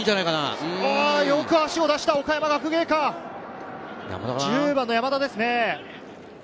よく足を出した岡山学芸館、１０番の山田ですね。